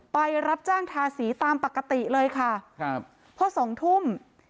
ไปรับจ้างทาสีตามปกติเลยค่ะครับพอสองทุ่ม